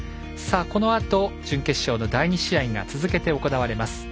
このあと、準決勝の第２試合続けて行われます。